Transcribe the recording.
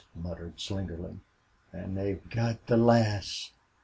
muttered Slingerland. "An' they've got the lass!"